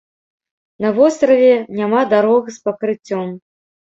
На востраве няма дарог з пакрыццём.